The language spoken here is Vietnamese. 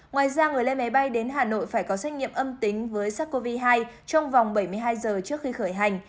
ngoài ra người lên máy bay đến hà nội phải có xét nghiệm âm tính với sars cov hai trong vòng bảy mươi hai giờ trước khi khởi hành